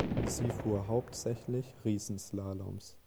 Sie fuhr hauptsächlich Riesenslaloms.